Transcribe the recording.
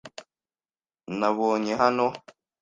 Nabonye hano .